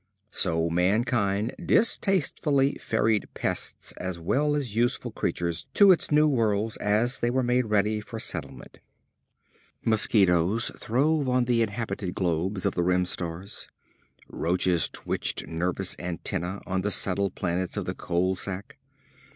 So mankind distastefully ferried pests as well as useful creatures to its new worlds as they were made ready for settlement. Mosquitos throve on the inhabited globes of the Rim Stars. Roaches twitched nervous antennae on the settled planets of the Coal sack.